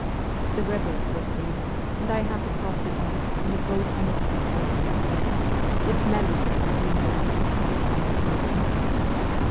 The rivers were freezing, and I had to cross the Ob in a boat amidst the floating ice, which menaced at every moment to crush our small craft.